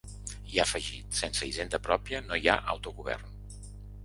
I ha afegit: Sense hisenda pròpia no hi ha autogovern.